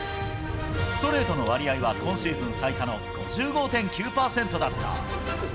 ストレートの割合は今シーズン最多の５５．９％だった。